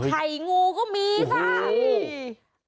ไข่งูก็มีค่ะ